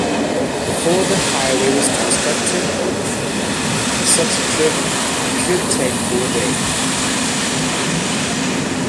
Before the highway was constructed, such a trip could take four days.